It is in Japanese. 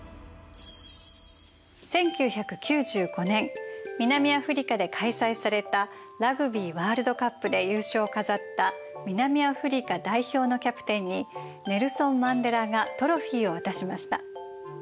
１９９５年南アフリカで開催されたラグビーワールドカップで優勝を飾った南アフリカ代表のキャプテンにネルソン・マンデラがトロフィーを渡しました。